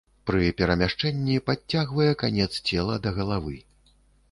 Пры перамяшчэнні падцягвае канец цела да галавы.